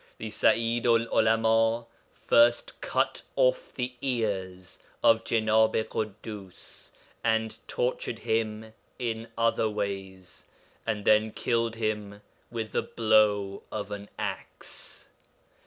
The Sa'idu'l 'Ulama first cut off the ears of Jenāb i Ḳuddus, and tortured him in other ways, and then killed him with the blow of an axe.